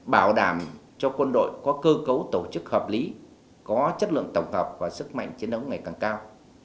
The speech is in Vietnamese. bảo đảm cho quân đội có cơ cấu tổ chức hợp lý có chất lượng tổng hợp và sức mạnh chiến đấu ngày càng cao